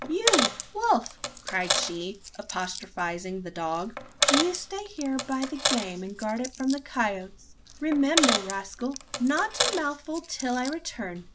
"You, Wolf!" cried she, apostrophising the dog; "you stay here by the game, and guard it from the coyotes. Remember! rascal! not a mouthful till I return.